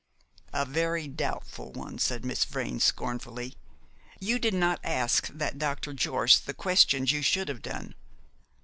"A very doubtful one," said Miss Vrain scornfully. "You did not ask that Dr. Jorce the questions you should have done.